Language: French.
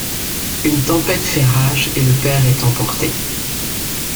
Une tempête fait rage et le père est emporté.